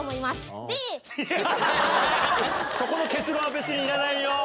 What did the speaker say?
そこの結論は別にいらないよ。